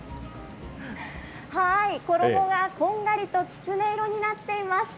衣がこんがりときつね色になっています。